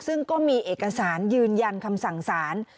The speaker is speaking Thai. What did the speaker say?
ซึ่งก็มีเอกสารยืนยันคำสั่งสาร